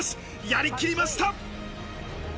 やりきりました！